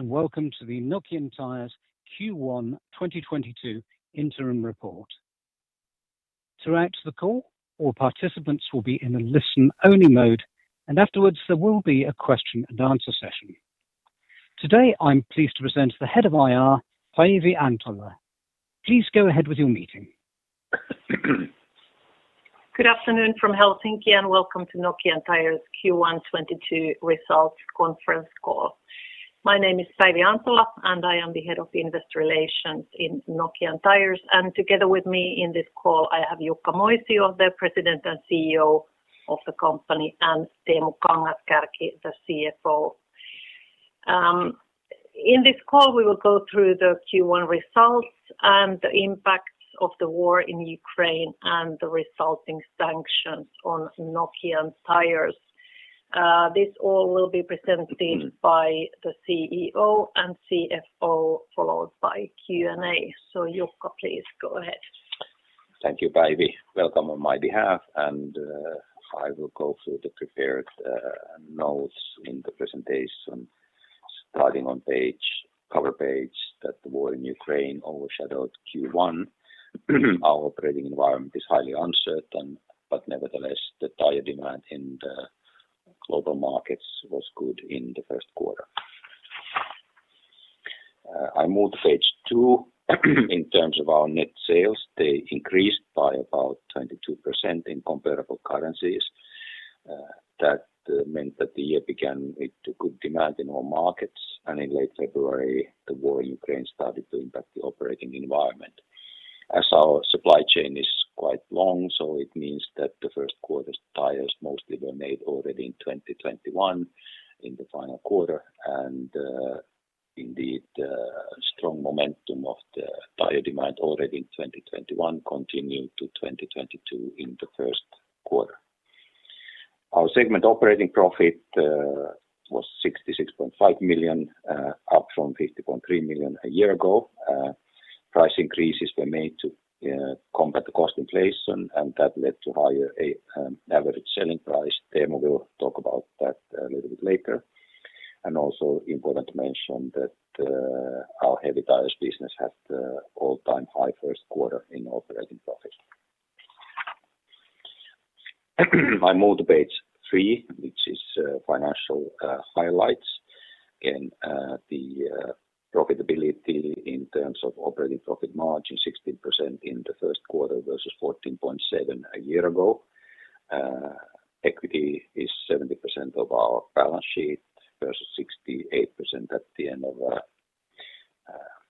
Welcome to the Nokian Tyres Q1 2022 interim report. Throughout the call, all participants will be in a listen-only mode, and afterwards there will be a question and answer session. Today, I'm pleased to present the Head of IR, Päivi Antola. Please go ahead with your meeting. Good afternoon from Helsinki, and welcome to Nokian Tyres Q1 2022 results conference call. My name is Päivi Antola, and I am the Head of Investor Relations in Nokian Tyres. Together with me in this call, I have Jukka Moisio, the President and CEO of the company, and Teemu Kangas-Kärki, the CFO. In this call, we will go through the Q1 results and the impacts of the war in Ukraine and the resulting sanctions on Nokian Tyres. This all will be presented by the CEO and CFO, followed by Q&A. Jukka, please go ahead. Thank you, Päivi. Welcome on my behalf, and I will go through the prepared notes in the presentation, starting on the cover page that the war in Ukraine overshadowed Q1. Our operating environment is highly uncertain, but nevertheless, the tire demand in the global markets was good in the first quarter. I move to page two. In terms of our net sales, they increased by about 22% in comparable currencies. That meant that the year began with a good demand in all markets, and in late February, the war in Ukraine started to impact the operating environment. As our supply chain is quite long, so it means that the first quarter's tires mostly were made already in 2021 in the final quarter, and indeed, strong momentum of the tire demand already in 2021 continued to 2022 in the first quarter. Our segment operating profit was 66.5 million, up from 50.3 million a year ago. Price increases were made to combat the cost inflation, and that led to higher average selling price. Teemu will talk about that a little bit later. Also important to mention that our Heavy Tyres business had the all-time high first quarter in operating profit. I move to page three, which is financial highlights. The profitability in terms of operating profit margin, 16% in the first quarter versus 14.7% a year ago. Equity is 70% of our balance sheet versus 68% at the end of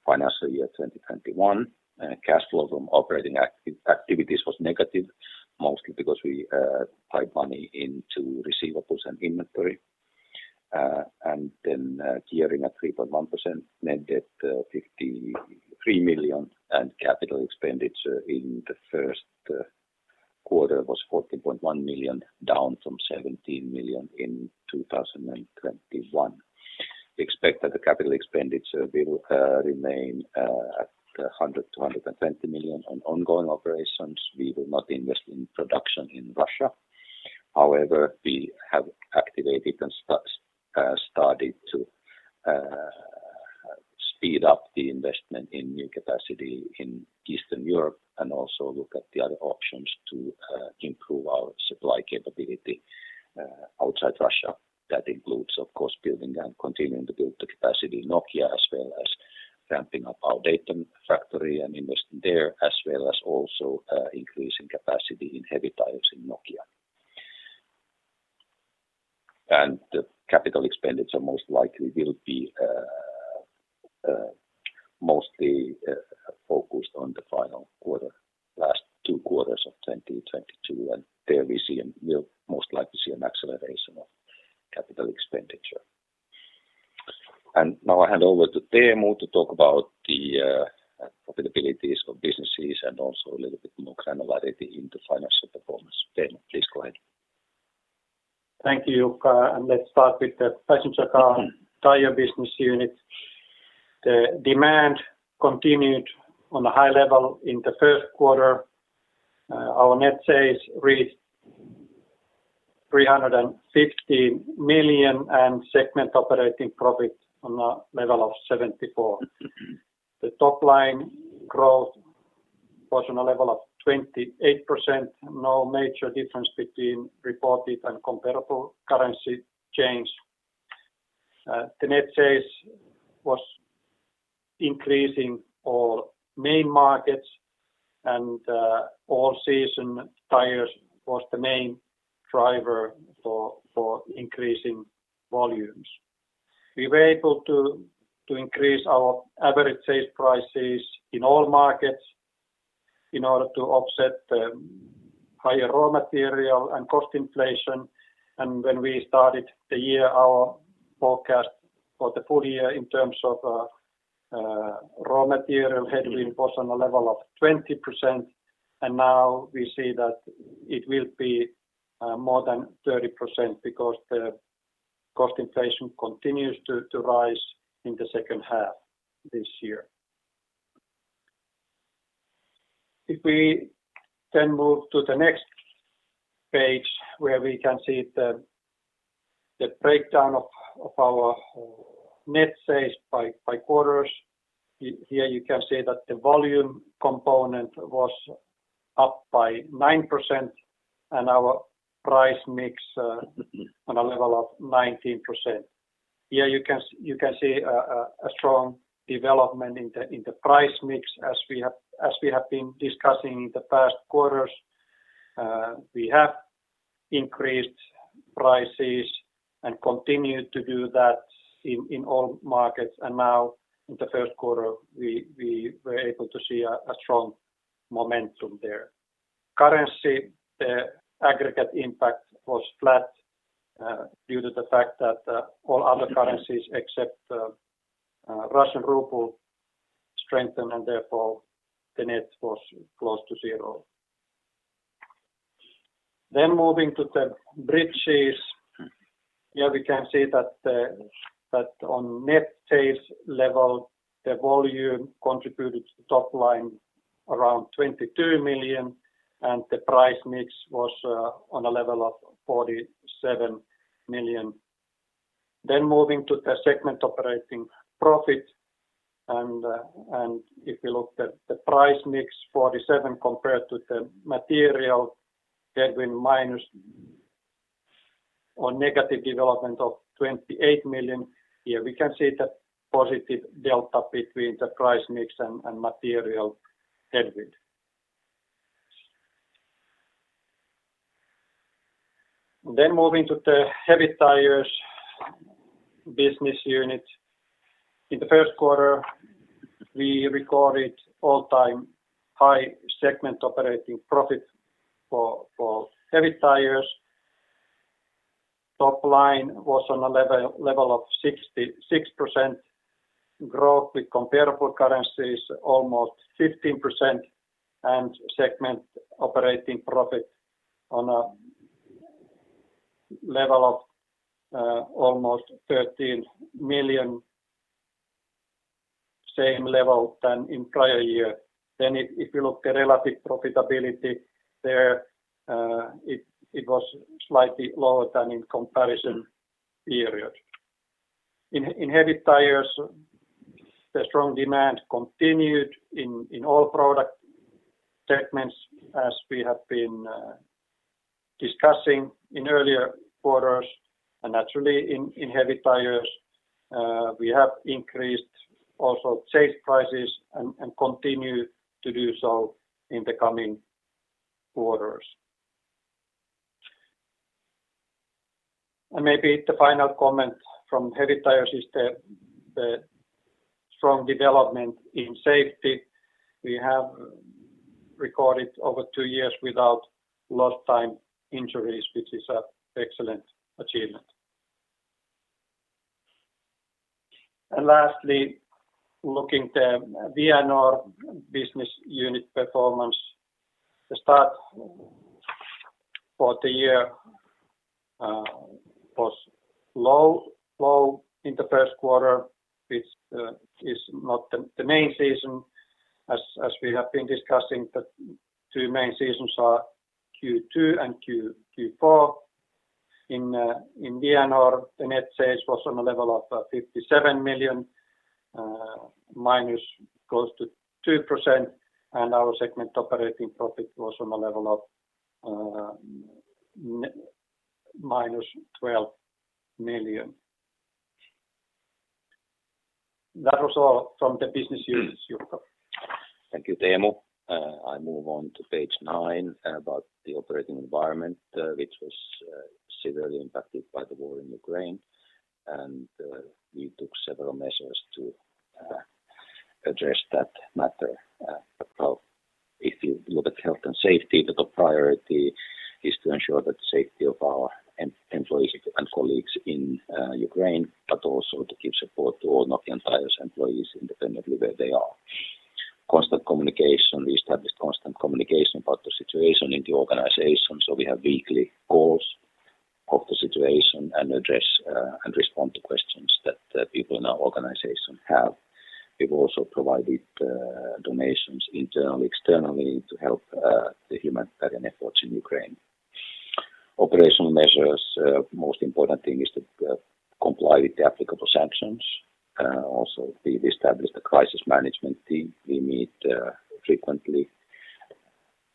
financial year 2021. Cash flow from operating activities was negative, mostly because we tied money into receivables and inventory. Gearing at 3.1% meant that 53 million and capital expenditure in the first quarter was 14.1 million, down from 17 million in 2021. We expect that the capital expenditure will remain at 100 million-120 million on ongoing operations. We will not invest in production in Russia. However, we have activated and started to speed up the investment in new capacity in Eastern Europe and also look at the other options to improve our supply capability outside Russia. That includes, of course, building and continuing to build the capacity in Nokia, as well as ramping up our Dayton factory and investing there, as well as also increasing capacity in Heavy Tyres in Nokia. The capital expenditure most likely will be mostly focused on the final quarter, last two quarters of 2022, and there we see and will most likely see an acceleration of capital expenditure. Now I hand over to Teemu to talk about the profitabilities of businesses and also a little bit more granularity into financial performance. Teemu, please go ahead. Thank you, Jukka, and let's start with the Passenger Car Tyres business unit. The demand continued on a high level in the first quarter. Our net sales reached 350 million, and segment operating profit on a level of 74 million. The top line growth was on a level of 28%. No major difference between reported and comparable currency change. The net sales was increasing in all main markets, and all-season tires was the main driver for increasing volumes. We were able to increase our average sales prices in all markets in order to offset the higher raw material and cost inflation. When we started the year, our forecast for the full year in terms of raw material headroom was on a level of 20%, and now we see that it will be more than 30% because the cost inflation continues to rise in H2 this year. If we then move to the next page where we can see the breakdown of our net sales by quarters. Here you can see that the volume component was up by 9% and our price mix on a level of 19%. Here you can see a strong development in the price mix as we have been discussing in the past quarters. We have increased prices and continued to do that in all markets. Now in the first quarter, we were able to see a strong momentum there. Currency aggregate impact was flat due to the fact that all other currencies except Russian ruble strengthened and therefore the net was close to zero. Moving to the bridges. Here we can see that on net sales level, the volume contributed to the top line around 22 million, and the price mix was on a level of 47 million. Moving to the segment operating profit, if you look at the price mix 47 million compared to the material headwind minus or negative development of 28 million, here we can see the positive delta between the price mix and material headwind. Moving to the Heavy Tyres business unit. In the first quarter, we recorded all-time high segment operating profit for Heavy Tyres. Top line was on a level of 66% growth with comparable currencies almost 15%, and segment operating profit on a level of almost 13 million, same level than in prior year. If you look at relative profitability there, it was slightly lower than in comparison period. In Heavy Tyres, the strong demand continued in all product segments as we have been discussing in earlier quarters. Naturally in Heavy Tyres, we have increased also sales prices and continue to do so in the coming quarters. Maybe the final comment from Heavy Tyres is the strong development in safety. We have recorded over two years without lost time injuries, which is an excellent achievement. Lastly, looking the Vianor business unit performance. The start for the year was low in the first quarter, which is not the main season. As we have been discussing, the two main seasons are Q2 and Q4. In Vianor, the net sales was on a level of 57 million, minus close to 2%, and our segment operating profit was on a level of -EUR 12 million. That was all from the business units, Jukka. Thank you, Teemu. I move on to page nine about the operating environment, which was severely impacted by the war in Ukraine, and we took several measures to address that matter. If you look at health and safety, the top priority is to ensure the safety of our employees and colleagues in Ukraine, but also to give support to all Nokian Tyres employees independently where they are. Constant communication. We established constant communication about the situation in the organization, so we have weekly calls on the situation and address and respond to questions that the people in our organization have. We've also provided donations internally, externally to help the humanitarian efforts in Ukraine. Operational measures, most important thing is to comply with the applicable sanctions. Also we've established a crisis management team. We meet frequently,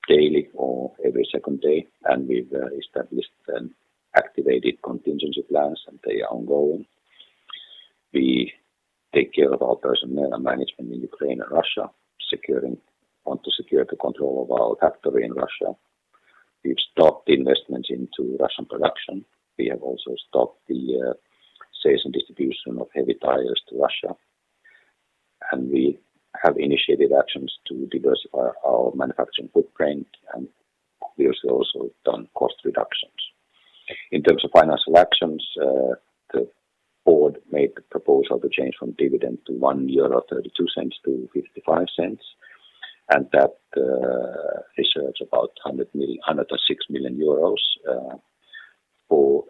daily or every second day, and we've established and activated contingency plans, and they are ongoing. We take care of our personnel and management in Ukraine and Russia, want to secure the control of our factory in Russia. We've stopped investments into Russian production. We have also stopped the sales and distribution of Heavy Tyres to Russia, and we have initiated actions to diversify our manufacturing footprint, and we've also done cost reductions. In terms of financial actions, the board made the proposal to change from dividend to 1.32-0.55 euro, and that saves about EUR 106 million for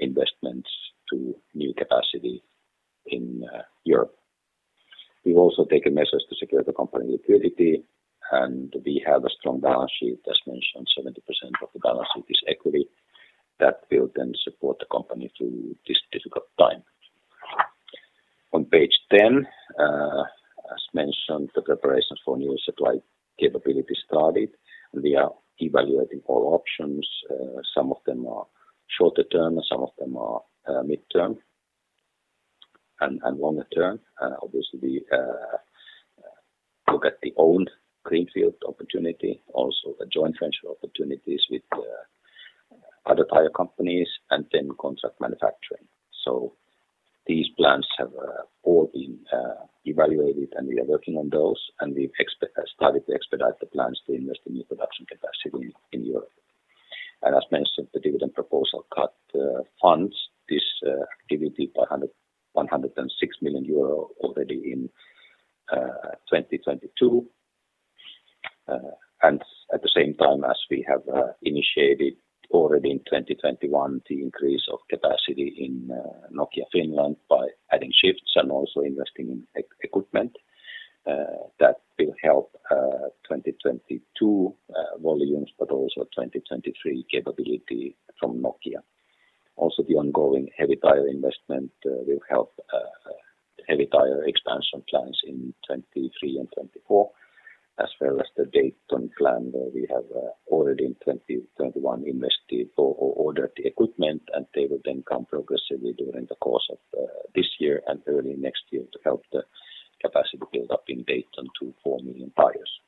investments to new capacity in Europe. We've also taken measures to secure the company liquidity, and we have a strong balance sheet. As mentioned, 70% of the balance sheet is equity that will then support the company through this difficult time. On page 10, as mentioned, the preparations for new supply capability started. We are evaluating all options. Some of them are shorter term, some of them are midterm and longer term. Obviously, we look at the owned greenfield opportunity, also the joint venture opportunities with other tire companies and then contract manufacturing. These plans have all been evaluated, and we are working on those, and we started to expedite the plans to invest in new production capacity in Europe. As mentioned, the dividend proposal cut funds this activity by 106 million euro already in 2022. At the same time as we have initiated already in 2021 the increase of capacity in Nokia, Finland by adding shifts and also investing in equipment, that will help 2022 volumes but also 2023 capability from Nokia. The ongoing Heavy Tyres investment will help Heavy Tyres expansion plans in 2023 and 2024 as well as the Dayton plan, where we have already in 2021 invested for or ordered the equipment, and they will then come progressively during the course of this year and early next year to help the capacity build up in Dayton to four million tires.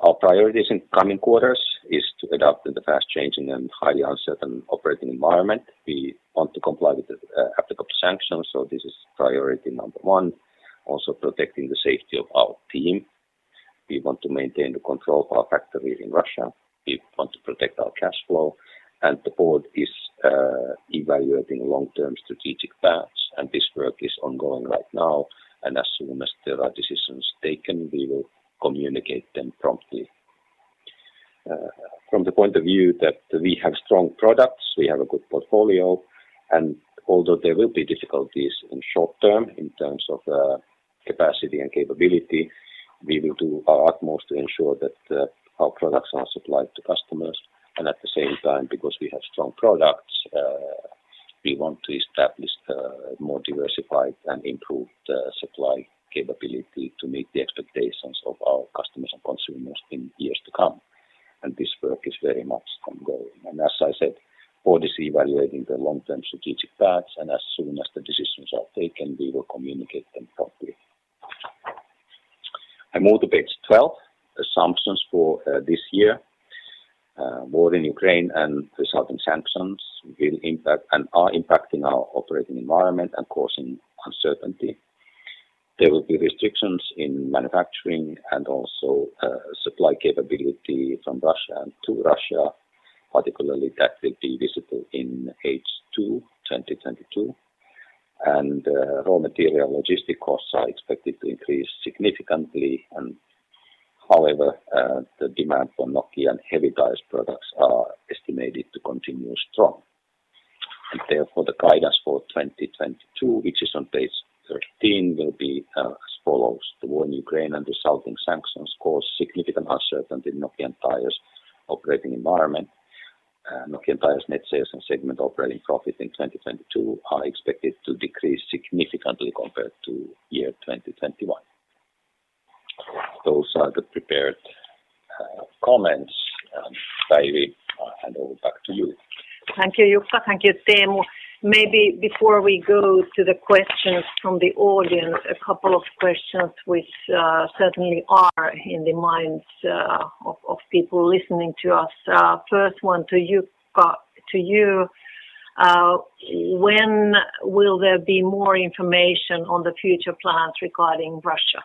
Our priorities in coming quarters is to adapt in the fast changing and highly uncertain operating environment. We want to comply with the applicable sanctions, so this is priority number one. Also protecting the safety of our team. We want to maintain the control of our factories in Russia. We want to protect our cash flow. The board is evaluating long-term strategic paths, and this work is ongoing right now, and as soon as there are decisions taken, we will communicate them promptly. From the point of view that we have strong products, we have a good portfolio, and although there will be difficulties in short term in terms of capacity and capability, we will do our utmost to ensure that our products are supplied to customers. At the same time, because we have strong products, we want to establish a more diversified and improved supply capability to meet the expectations of our customers and consumers in years to come, and this work is very much ongoing. As I said, board is evaluating the long-term strategic paths, and as soon as the decisions are taken, we will communicate them promptly. I move to page 12, assumptions for this year. War in Ukraine and the resulting sanctions will impact and are impacting our operating environment and causing uncertainty. There will be restrictions in manufacturing and also supply capability from Russia and to Russia particularly that will be visible in H2 2022. Raw material logistic costs are expected to increase significantly and however the demand for Nokian Heavy Tyres products are estimated to continue strong. Therefore, the guidance for 2022, which is on page 13, will be as follows: the war in Ukraine and resulting sanctions cause significant uncertainty in Nokian Tyres operating environment. Nokian Tyres net sales and segment operating profit in 2022 are expected to decrease significantly compared to year 2021. Those are the prepared comments. Päivi, I'll hand over back to you. Thank you, Jukka. Thank you, Teemu. Maybe before we go to the questions from the audience, a couple of questions which certainly are in the minds of people listening to us. First one to Jukka, to you. When will there be more information on the future plans regarding Russia?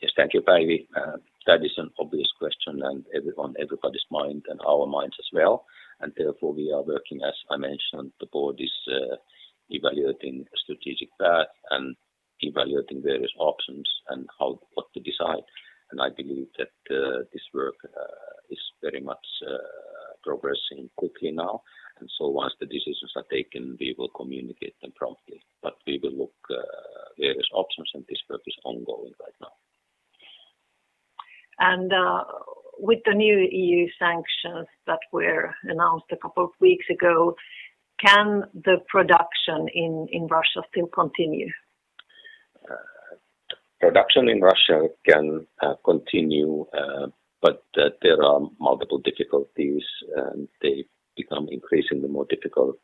Yes. Thank you, Päivi. That is an obvious question on everybody's mind and our minds as well. Therefore, we are working, as I mentioned, the board is evaluating a strategic path and evaluating various options and what to decide. I believe that this work is very much progressing quickly now. Once the decisions are taken, we will communicate them promptly. We will look at various options, and this work is ongoing right now. With the new EU sanctions that were announced a couple of weeks ago, can the production in Russia still continue? Production in Russia can continue, but there are multiple difficulties, and they become increasingly more difficult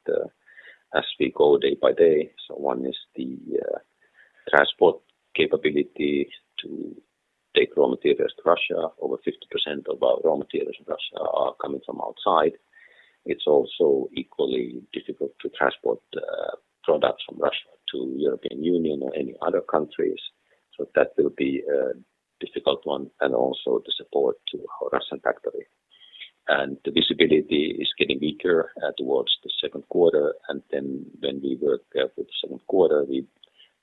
as we go day by day. One is the transport capability to take raw materials to Russia. Over 50% of our raw materials in Russia are coming from outside. It's also equally difficult to transport products from Russia to European Union or any other countries. That will be a difficult one and also the support to our Russian factory. The visibility is getting weaker towards the second quarter. Then when we work with the second quarter,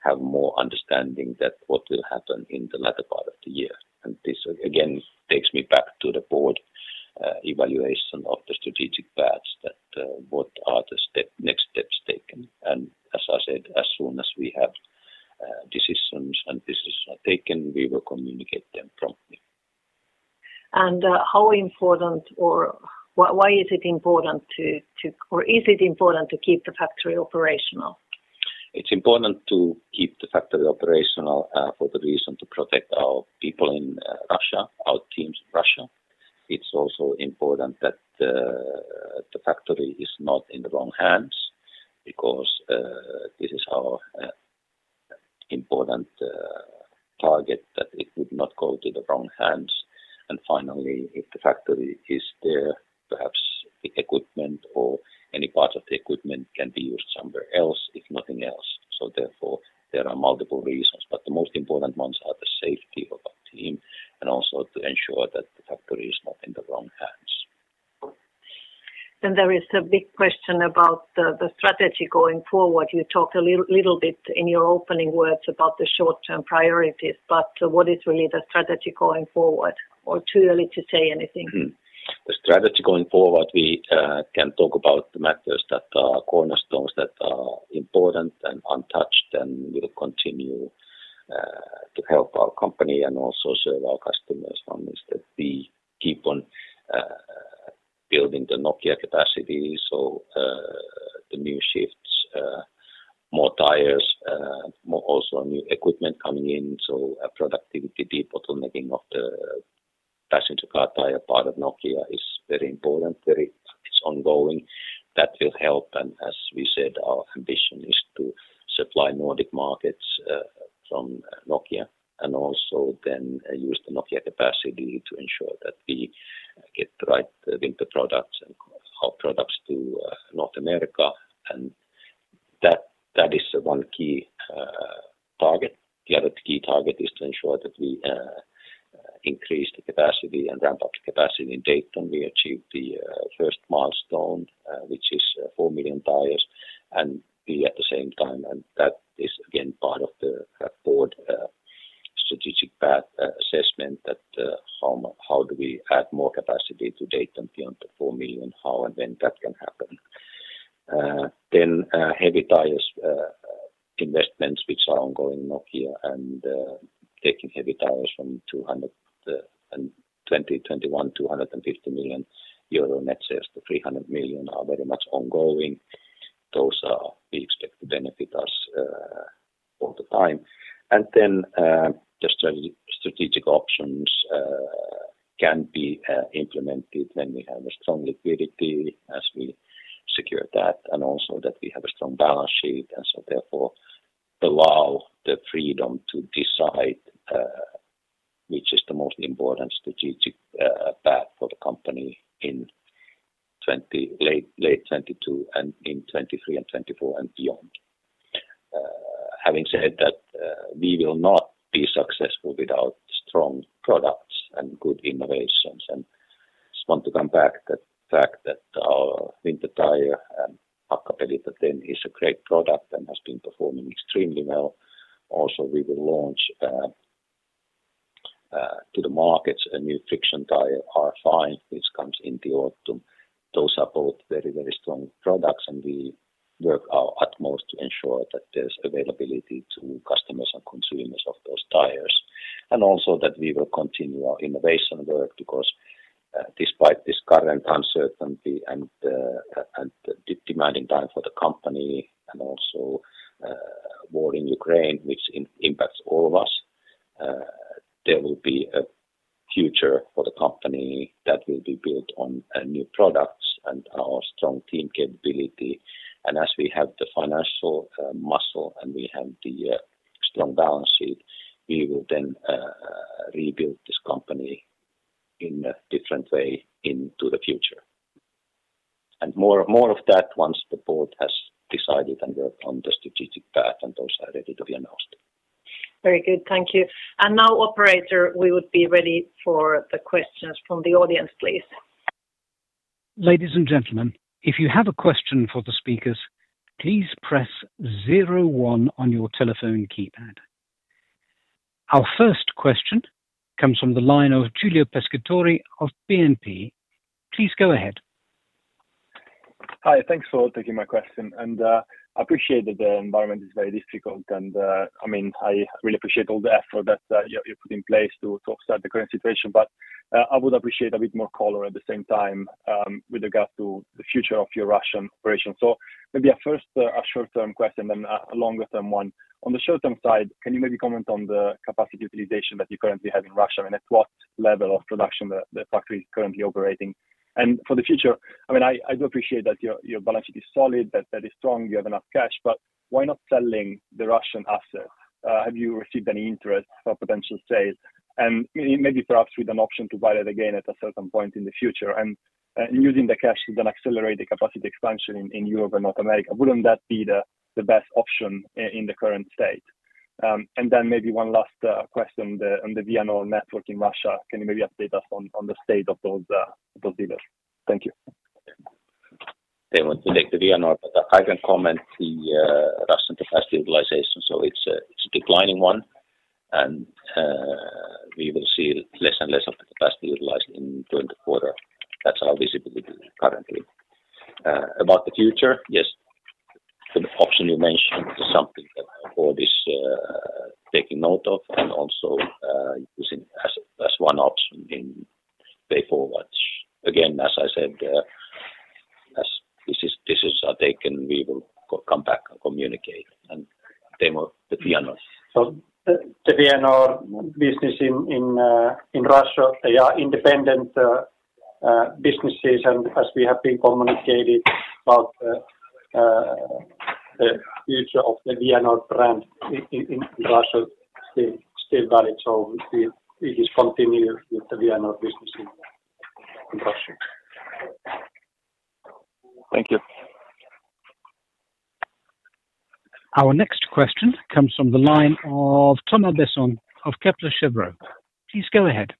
we have more understanding that what will happen in the latter part of the year. This again takes me back to the board evaluation of the strategic paths that what are the next steps taken. As I said, as soon as we have decisions and business taken, we will communicate them promptly. How important or why is it important to keep the factory operational? It's important to keep the factory operational, for the reason to protect our people in Russia, our teams in Russia. It's also important that the factory is not in the wrong hands because this is our important target that it would not go to the wrong hands. Finally, if the factory is there, perhaps the equipment or any part of the equipment can be used somewhere else, if nothing else. Therefore there are multiple reasons, but the most important ones are the safety of our team and also to ensure that the factory is not in the wrong hands. There is a big question about the strategy going forward. You talked a little bit in your opening words about the short term priorities, but what is really the strategy going forward? Or too early to say anything? The strategy going forward, we can talk about the matters that are cornerstones that are important and untouched and will continue to help our company and also serve our customers. One is that we keep on building the Nokian capacity. The new shifts, more tires, more also new equipment coming in. Productivity, de-bottlenecking of the passenger car tire part of Nokian is very important. It's ongoing. That will help. As we said, our ambition is to supply Nordic markets from Nokian and also then use the Nokian capacity to ensure that we get the right winter products and our products to North America. That is one key target. The other key target is to ensure that we increase the capacity and ramp up the capacity in Dayton. We achieved the first milestone, which is four million tires and be at the same time, and that is again part of the Board's strategic path assessment that how do we add more capacity today and beyond the four million, how and when that can happen. Then, Heavy Tyres investments which are ongoing Nokian and taking Heavy Tyres from 2021, 250 million euro net sales to 300 million are very much ongoing. Those, we expect to benefit us all the time. The strategic options can be implemented when we have a strong liquidity as we secure that and also that we have a strong balance sheet. Therefore allow the freedom to decide which is the most important strategic path for the company in late 2022 and in 2023 and 2024 and beyond. Having said that, we will not be successful without strong products and good innovations. Just want to come back to the fact that our winter tire and Hakkapeliitta is a great product and has been performing extremely well. Also, we will launch to the markets a new friction tire R5, which comes in the autumn. Those are both very, very strong products and we work our utmost to ensure that there's availability to customers and consumers of those tires. Also that we will continue our innovation work because, despite this current uncertainty and demanding time for the company and also war in Ukraine, which impacts all of us, there will be a future for the company that will be built on new products and our strong team capability. As we have the financial muscle and we have the strong balance sheet, we will then rebuild this company in a different way into the future. More of that once the board has decided and worked on the strategic path and those are ready to be announced. Very good. Thank you. Now operator, we would be ready for the questions from the audience, please. Ladies and gentlemen, if you have a question for the speakers, please press zero one on your telephone keypad. Our first question comes from the line of Giulio Pescatore of BNP. Please go ahead. Hi. Thanks for taking my question, and I appreciate that the environment is very difficult and I mean, I really appreciate all the effort that you put in place to sort the current situation. I would appreciate a bit more color at the same time, with regards to the future of your Russian operation. Maybe a first, a short term question, then a longer term one. On the short term side, can you maybe comment on the capacity utilization that you currently have in Russia, and at what level of production the factory is currently operating? For the future, I do appreciate that your balance sheet is solid, that is strong, you have enough cash, but why not selling the Russian assets? Have you received any interest for potential sales? Maybe perhaps with an option to buy that again at a certain point in the future and using the cash to then accelerate the capacity expansion in Europe and North America. Wouldn't that be the best option in the current state? Maybe one last question on the Vianor network in Russia. Can you maybe update us on the state of those dealers? Thank you. They want to take the Vianor, but I can comment on the Russian capacity utilization. It's a declining one, and we will see less and less of the capacity utilized in current quarter. That's our visibility currently. About the future, yes. The option you mentioned is something that the board is taking note of and also using as one option in buy or watch. Again, as I said, this is a topic we will come back and communicate on the Vianor. The Vianor business in Russia, they are independent businesses. As we have communicated about, the future of the Vianor brand in Russia still valid. We just continue with the Vianor business in Russia. Thank you. Our next question comes from the line of Thomas Besson of Kepler Cheuvreux. Please go ahead.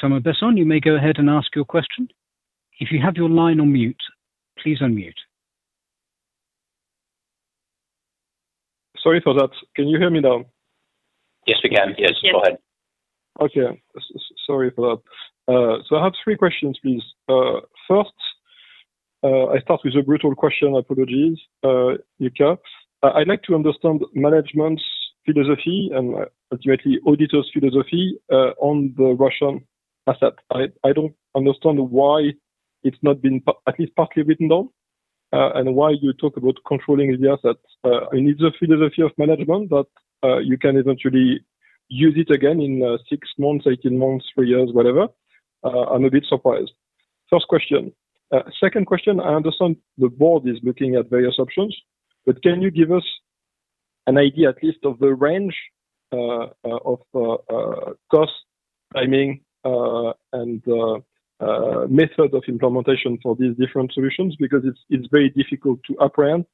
Thomas Besson, you may go ahead and ask your question. If you have your line on mute, please unmute. Sorry for that. Can you hear me now? Yes, we can. Yes. Yes. Go ahead. Okay. Sorry for that. I have three questions, please. First, I start with a brutal question, apologies, Jukka. I'd like to understand management's philosophy and ultimately auditor's philosophy on the Russian asset. I don't understand why it's not been at least partly written down, and why you talk about controlling the assets. It needs a philosophy of management that you can eventually use it again in six months, 18 months, three years, whatever. I'm a bit surprised. First question. Second question, I understand the board is looking at various options, but can you give us an idea at least of the range of cost, I mean, and method of implementation for these different solutions? Because it's very difficult to apprehend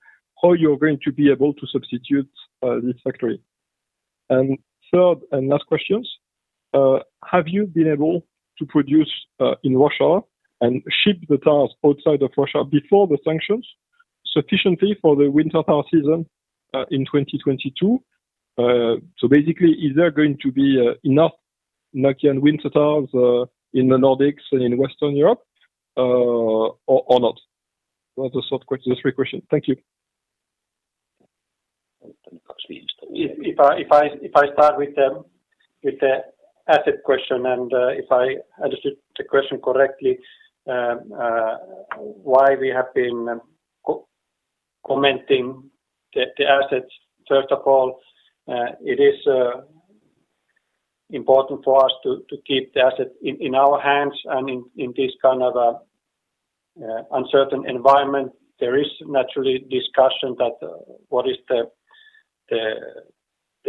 how you're going to be able to substitute this factory. Third and last questions, have you been able to produce in Russia and ship the tires outside of Russia before the sanctions sufficiently for the winter tire season in 2022? Basically, is there going to be enough Nokian winter tires in the Nordics and Western Europe or not? Those are short questions, the three questions. Thank you. If I start with the asset question and if I understood the question correctly, why we have been commenting on the assets. First of all, it is important for us to keep the asset in our hands and in this kind of uncertain environment. There is naturally discussion that what is the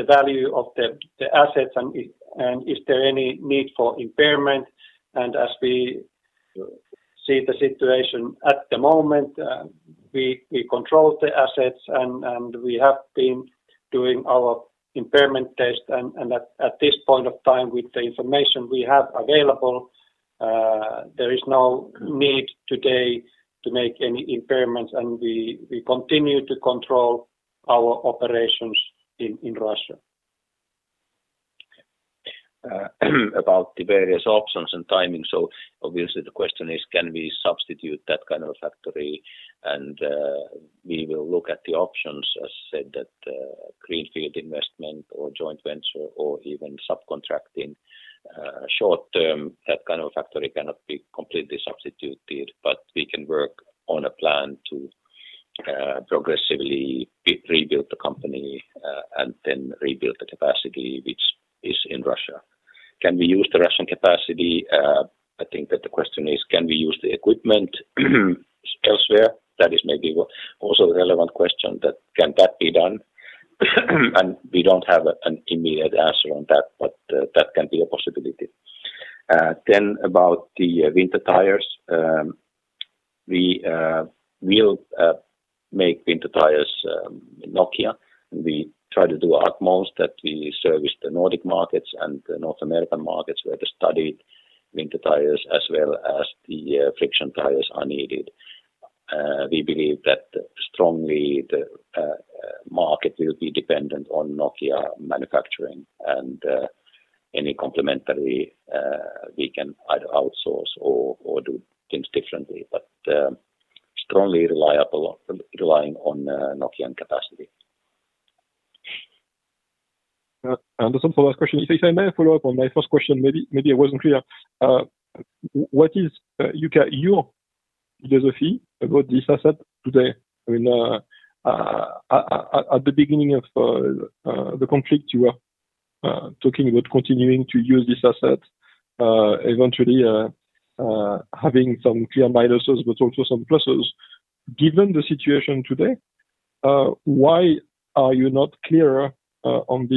value of the assets and is there any need for impairment. As we see the situation at the moment, we control the assets and we have been doing our impairment test. At this point of time with the information we have available, there is no need today to make any impairments. We continue to control our operations in Russia. About the various options and timing. Obviously the question is can we substitute that kind of factory and we will look at the options. As said that, greenfield investment or joint venture or even subcontracting, short-term, that kind of factory cannot be completely substituted. We can work on a plan to progressively rebuild the company and then rebuild the capacity which is in Russia. Can we use the Russian capacity? I think that the question is can we use the equipment elsewhere? That is maybe also a relevant question that can be done? We don't have an immediate answer on that, but that can be a possibility. Then about the winter tires. We will make winter tires, Nokian. We try to do utmost that we service the Nordic markets and the North American markets where the studded winter tires as well as the friction tires are needed. We believe that strongly the market will be dependent on Nokian manufacturing and any complementary we can either outsource or do things differently, but relying on Nokian capacity. The subsequent question is, if I may follow up on my first question, maybe I wasn't clear. What is, Jukka, your philosophy about this asset today? I mean, at the beginning of the conflict, you were talking about continuing to use this asset, eventually having some clear minuses, but also some pluses. Given the situation today, why are you not clearer on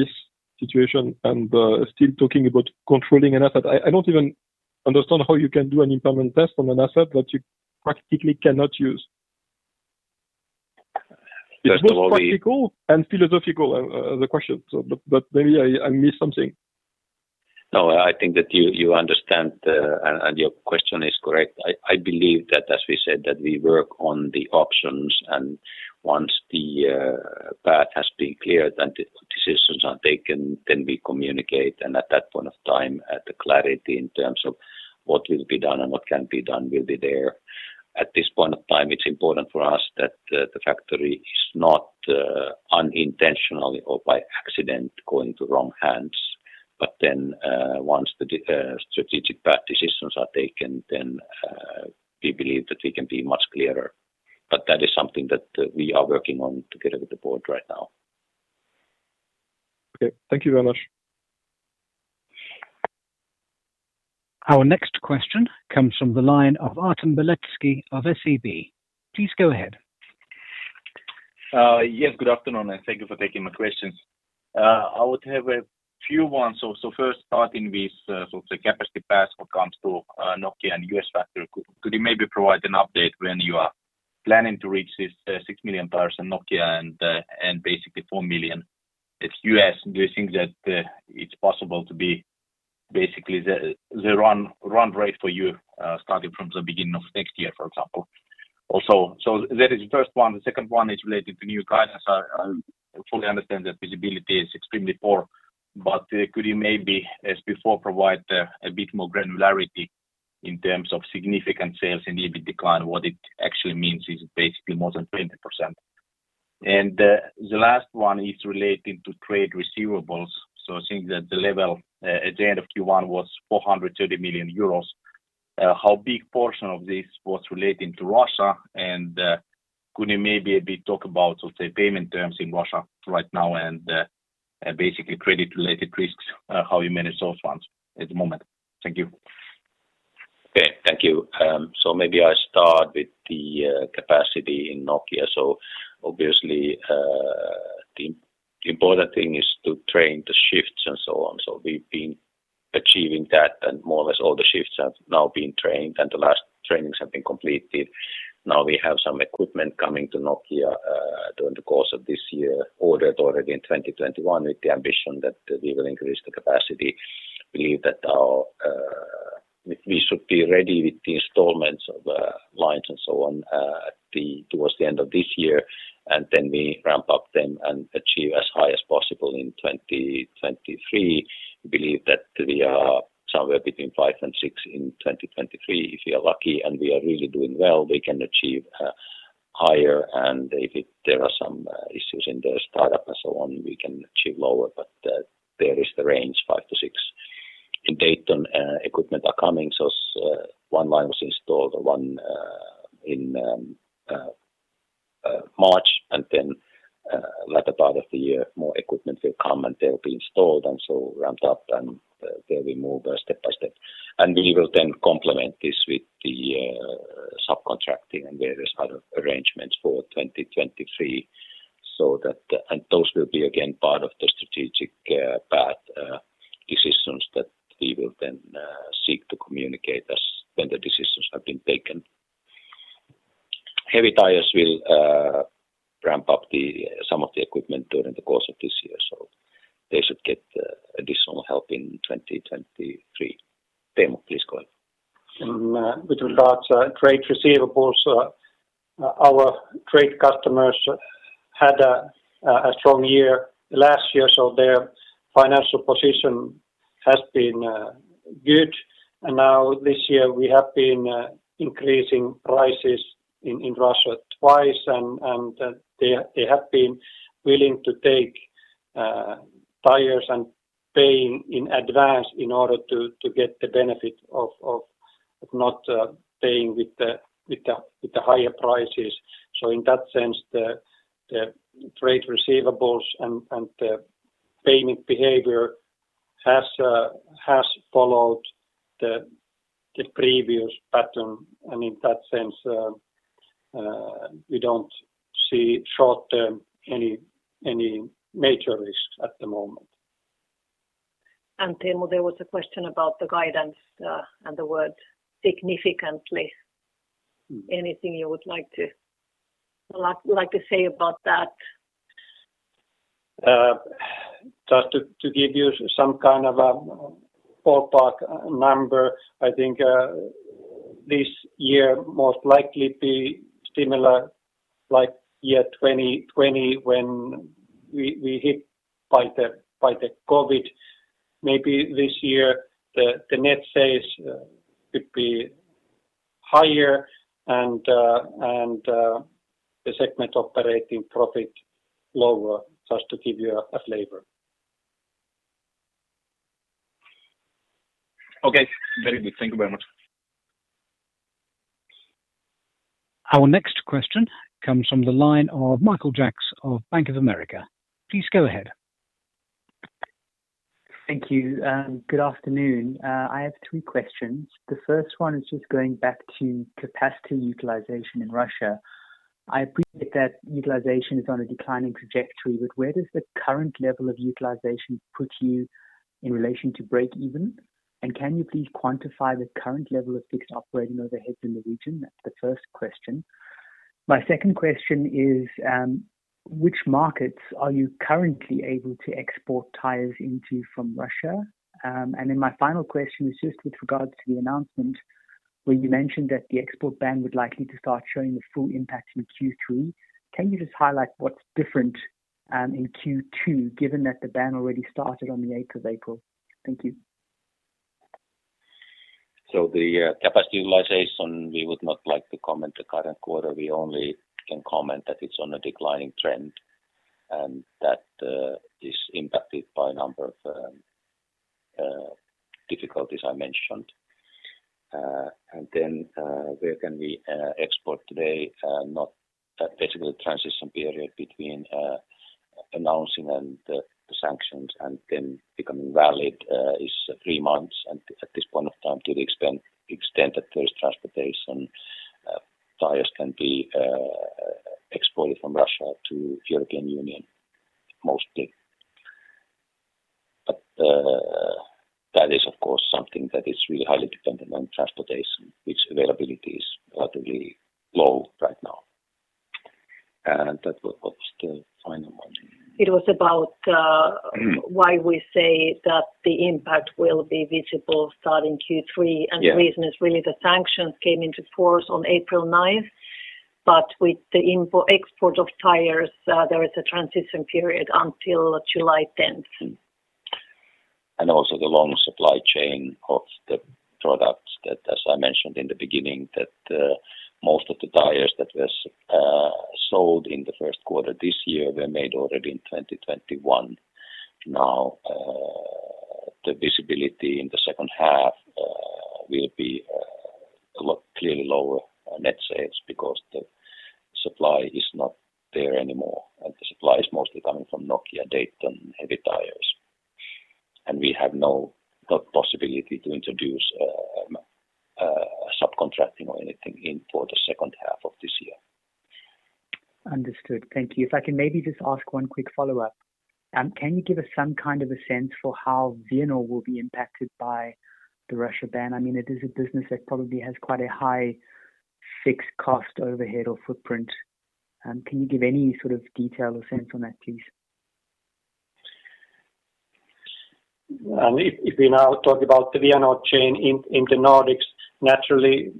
this situation and still talking about controlling an asset? I don't even Understand how you can do an impairment test on an asset that you practically cannot use. That's normally- It's both practical and philosophical, the question, but maybe I missed something. No, I think that you understand, and your question is correct. I believe that as we said that we work on the options, and once the path has been cleared and decisions are taken, then we communicate, and at that point of time, the clarity in terms of what will be done and what can be done will be there. At this point of time, it's important for us that the factory is not unintentionally or by accident going to wrong hands. Once the strategic path decisions are taken, then we believe that we can be much clearer. That is something that we are working on together with the board right now. Okay. Thank you very much. Our next question comes from the line of Artem Beletski of SEB. Please go ahead. Yes, good afternoon, and thank you for taking my questions. I would have a few ones. First starting with sort of the capacity path when it comes to Nokian and U.S. factory. Could you maybe provide an update when you are planning to reach this six million tyres in Nokian and basically four million in U.S.? Do you think that it's possible to be basically the run rate for you starting from the beginning of next year, for example? That is the first one. The second one is related to new guidance. I fully understand that visibility is extremely poor, but could you maybe, as before, provide a bit more granularity in terms of significant sales and EBIT decline? What it actually means is basically more than 20%. The last one is relating to trade receivables. I think that the level at the end of Q1 was 430 million euros. How big portion of this was relating to Russia? Could you maybe a bit talk about, sort of, say, payment terms in Russia right now and and basically credit-related risks, how you manage those ones at the moment? Thank you. Okay. Thank you. Maybe I start with the capacity in Nokian. Obviously, the important thing is to train the shifts and so on. We've been achieving that, and more or less all the shifts have now been trained, and the last trainings have been completed. Now we have some equipment coming to Nokian during the course of this year, ordered already in 2021 with the ambition that we will increase the capacity. We believe that we should be ready with the installments of lines and so on towards the end of this year, and then we ramp up and achieve as high as possible in 2023. We believe that we are somewhere between five and six in 2023. If we are lucky and we are really doing well, we can achieve higher, and if there are some issues in the startup and so on, we can achieve lower. There is the range, 5%-6%. In Dayton, equipment are coming. One line was installed in March, and then latter part of the year, more equipment will come, and they'll be installed and so ramped up, and there we move step by step. We will then complement this with the subcontracting and various other arrangements for 2023 so that those will be again part of the strategic path decisions that we will then seek to communicate as when the decisions have been taken. Heavy Tyres will ramp up some of the equipment during the course of this year, so they should get additional help in 2023. Teemu, please go ahead. With regards to trade receivables, our trade customers had a strong year last year, so their financial position has been good. Now this year we have been increasing prices in Russia twice and they have been willing to take tires and paying in advance in order to get the benefit of not paying with the higher prices. In that sense, the trade receivables and the payment behavior has followed the previous pattern. In that sense, we don't see any major short-term risks at the moment. Teemu, there was a question about the guidance, and the word significantly. Mm. Anything you would like to say about that? Just to give you some kind of a ballpark number, I think this year most likely be similar like year 2020 when we hit by the COVID. Maybe this year the net sales could be higher and the segment operating profit lower, just to give you a flavor. Okay. Very good. Thank you very much. Our next question comes from the line of Michael Jacks of Bank of America. Please go ahead. Thank you. Good afternoon. I have two questions. The first one is just going back to capacity utilization in Russia. I appreciate that utilization is on a declining trajectory, but where does the current level of utilization put you in relation to break even? Can you please quantify the current level of fixed operating overheads in the region? That's the first question. My second question is, which markets are you currently able to export tires into from Russia? Then my final question is just with regards to the announcement where you mentioned that the export ban would likely to start showing the full impact in Q3. Can you just highlight what's different, in Q2, given that the ban already started on the eighth of April? Thank you. The capacity utilization, we would not like to comment on the current quarter. We only can comment that it's on a declining trend and that is impacted by a number of difficulties I mentioned. Where can we export today? Now basically a transition period between announcing and the sanctions and then becoming valid is three months. At this point of time, to the extent that there's transportation, tires can be exported from Russia to the European Union, mostly. That is of course something that is really highly dependent on transportation, whose availability is relatively low right now. That was, what was the final one? It was about why we say that the impact will be visible starting Q3. Yeah. The reason is really the sanctions came into force on April 9. With the import, export of tires, there is a transition period until July 10. Also the long supply chain of the products that, as I mentioned in the beginning, most of the tires that was sold in the first quarter this year were made already in 2021. Now, the visibility in the second half will be a lot clearer, lower net sales because the supply is not there anymore. The supply is mostly coming from Nokian, Dayton, Heavy Tyres. We have not got possibility to introduce subcontracting or anything in for the second half of this year. Understood. Thank you. If I can maybe just ask one quick follow-up. Can you give us some kind of a sense for how Vianor will be impacted by the Russia ban? I mean, it is a business that probably has quite a high fixed cost overhead or footprint. Can you give any sort of detail or sense on that, please? If we now talk about the Vianor chain in the Nordics, naturally,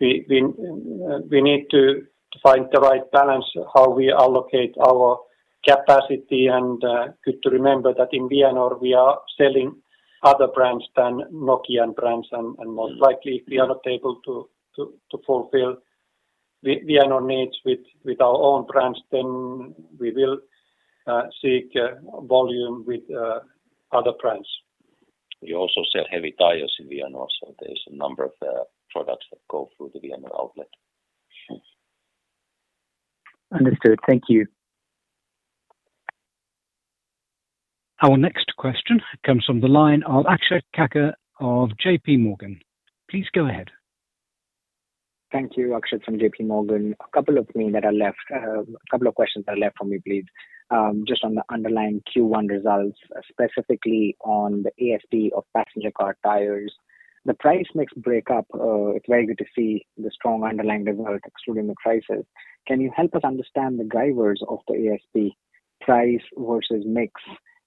we need to find the right balance, how we allocate our capacity. Good to remember that in Vianor we are selling other brands than Nokian brands and most likely we are not able to fulfill Vianor needs with our own brands, then we will seek volume with other brands. We also sell Heavy Tyres in Vianor, so there's a number of products that go through the Vianor outlet. Understood. Thank you. Our next question comes from the line of Akshat Kacker of JPMorgan. Please go ahead. Thank you. Akshat Kacker from JPMorgan. A couple of questions are left for me, please. Just on the underlying Q1 results, specifically on the ASP of Passenger Car Tires. The price mix breakdown, it's very good to see the strong underlying result excluding the crisis. Can you help us understand the drivers of the ASP price versus mix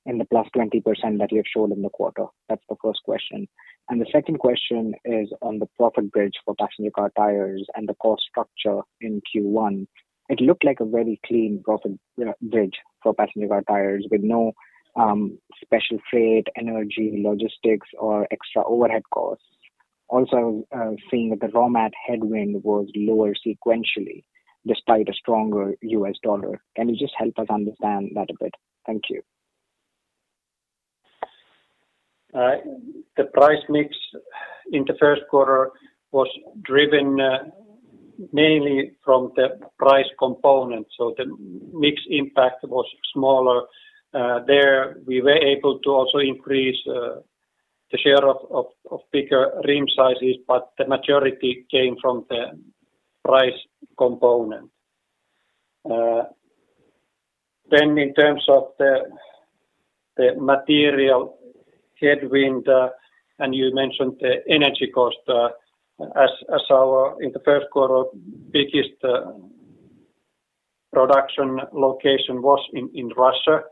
in the +20% that you have shown in the quarter? That's the first question. The second question is on the profit bridge for Passenger Car Tires and the cost structure in Q1. It looked like a very clean profit bridge for Passenger Car Tires with no special freight, energy, logistics, or extra overhead costs. Also, seeing that the raw material headwind was lower sequentially despite a stronger U.S. Dollar. Can you just help us understand that a bit? Thank you. The price mix in the first quarter was driven mainly from the price component, so the mix impact was smaller. There we were able to also increase the share of bigger rim sizes, but the majority came from the price component. In terms of the material headwind and you mentioned the energy cost, as our biggest production location in the first quarter was in Russia.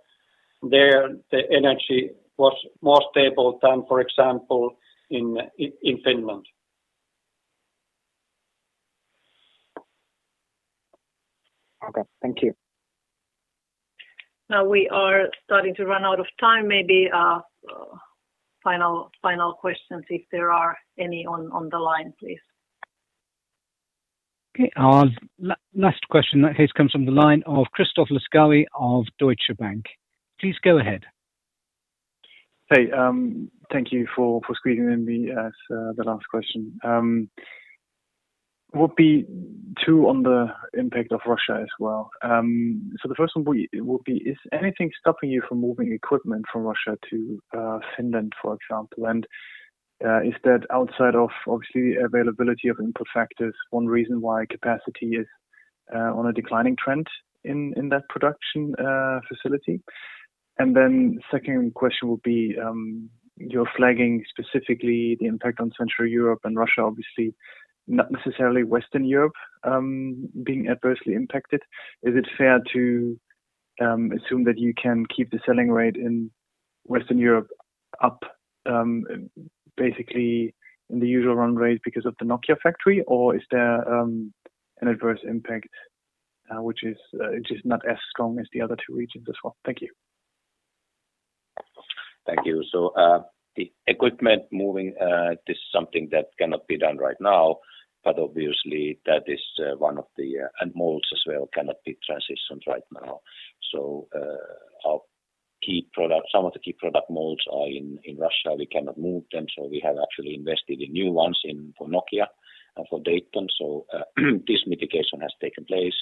There the energy was more stable than, for example, in Finland. Okay. Thank you. Now we are starting to run out of time. Maybe final questions if there are any on the line, please. Okay. Our last question in that case comes from the line of Christoph Laskawi of Deutsche Bank. Please go ahead. Hey, thank you for squeezing me in as the last question. Two on the impact of Russia as well. So the first one will be is anything stopping you from moving equipment from Russia to Finland, for example? Is that, outside of obviously availability of input factors, one reason why capacity is on a declining trend in that production facility? Then second question would be, you're flagging specifically the impact on Central Europe and Russia, obviously not necessarily Western Europe being adversely impacted. Is it fair to assume that you can keep the selling rate in Western Europe up, basically in the usual run rate because of the Nokian factory? Is there an adverse impact which is not as strong as the other two regions as well? Thank you. Thank you. The equipment moving, this is something that cannot be done right now, but obviously that is one of the molds as well cannot be transitioned right now. Our key product, some of the key product molds are in Russia, we cannot move them, so we have actually invested in new ones for Nokian and for Dayton. This mitigation has taken place.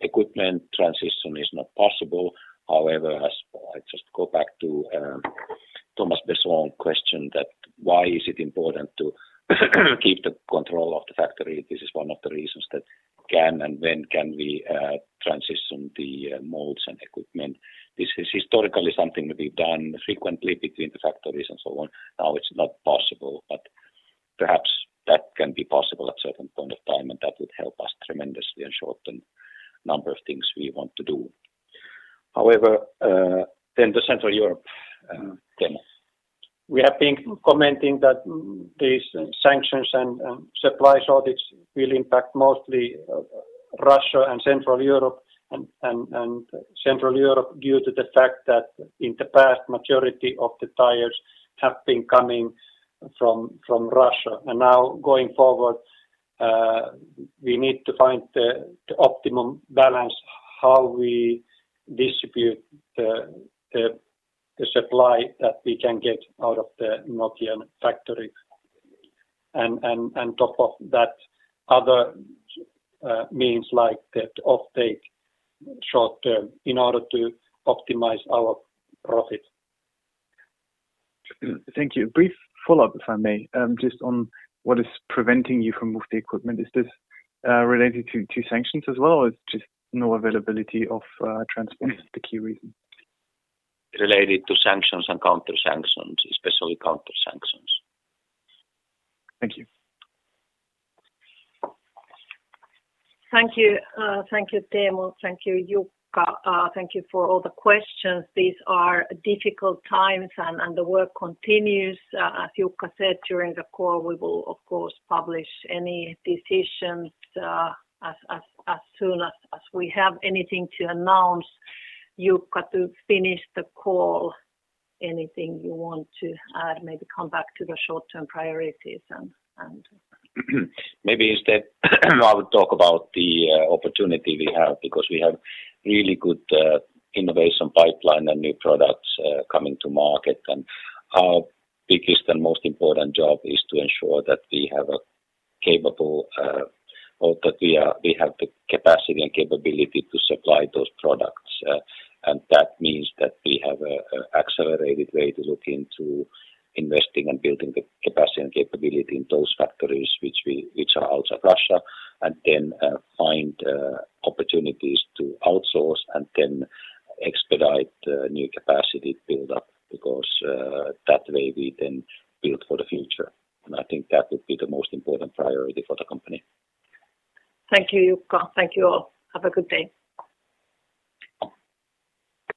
Equipment transition is not possible. However, as I just go back to Thomas Besson question that why is it important to keep the control of the factory, this is one of the reasons that can and when can we transition the molds and equipment. This is historically something that we've done frequently between the factories and so on. Now it's not possible, but perhaps that can be possible at certain point of time, and that would help us tremendously and shorten number of things we want to do. However, then the Central Europe, Teemu. We have been commenting that these sanctions and supply shortage will impact mostly Russia and Central Europe due to the fact that in the past, majority of the tires have been coming from Russia. Now going forward, we need to find the optimum balance, how we distribute the supply that we can get out of the Nokian factory and top of that other means like the offtake short-term in order to optimize our profit. Thank you. Brief follow-up, if I may, just on what is preventing you from moving the equipment. Is this related to sanctions as well, or is it just no availability of transport is the key reason? Related to sanctions and counter-sanctions, especially counter-sanctions. Thank you. Thank you. Thank you, Teemu. Thank you, Jukka. Thank you for all the questions. These are difficult times and the work continues. As Jukka said during the call, we will of course publish any decisions as soon as we have anything to announce. Jukka, to finish the call, anything you want to add, maybe come back to the short-term priorities and. Maybe instead I would talk about the opportunity we have because we have really good innovation pipeline and new products coming to market. Our biggest and most important job is to ensure that we have a capable or that we have the capacity and capability to supply those products. That means that we have a accelerated way to look into investing and building the capacity and capability in those factories which are outside Russia and then find opportunities to outsource and then expedite new capacity build-up because that way we then build for the future. I think that would be the most important priority for the company. Thank you, Jukka. Thank you all. Have a good day.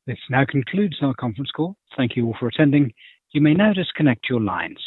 This now concludes our conference call. Thank you all for attending. You may now disconnect your lines.